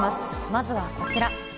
まずはこちら。